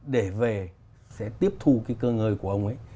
để về sẽ tiếp thù cái cơ ngợi của ông ấy